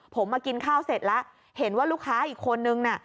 ผมมากินข้าวเสร็จแล้วเห็นว่าลูกค้าอีกคนนึงน่ะ